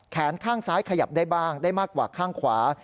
ข้างซ้ายขยับได้บ้างได้มากกว่าข้างขวา